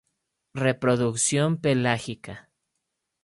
Reproducción pelágica.